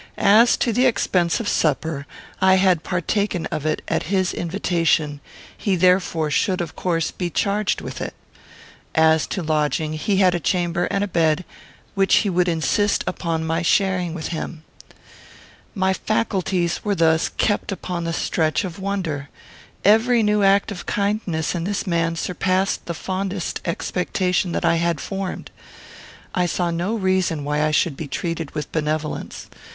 As to the expense of supper, I had partaken of it at his invitation; he therefore should of course be charged with it. As to lodging, he had a chamber and a bed, which he would insist upon my sharing with him. My faculties were thus kept upon the stretch of wonder. Every new act of kindness in this man surpassed the fondest expectation that I had formed. I saw no reason why I should be treated with benevolence.